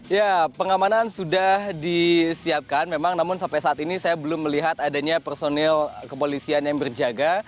ya pengamanan sudah disiapkan memang namun sampai saat ini saya belum melihat adanya personil kepolisian yang berjaga